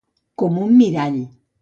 Com un mirall.